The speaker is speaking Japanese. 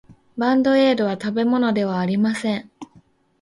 バンドエードは食べ物ではありません。